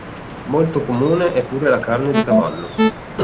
Molto comune è pure la carne di cavallo.